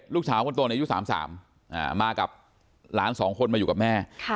ลูกสาวคนโตในอายุ๓๓มากับหลาน๒คนมาอยู่กับแม่